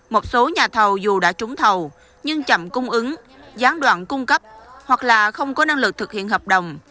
một số nhà thầu dù đã trúng thầu nhưng chậm cung ứng gián đoạn cung cấp hoặc là không có năng lực thực hiện hợp đồng